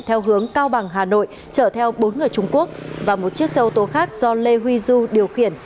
theo hướng cao bằng hà nội chở theo bốn người trung quốc và một chiếc xe ô tô khác do lê huy du điều khiển